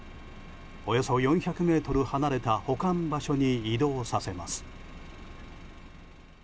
およそ４００ｍ離れた保管場所に移動させます。